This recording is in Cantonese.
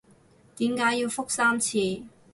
點解要覆三次？